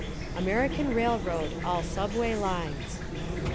American Railroad — All Subway Lines.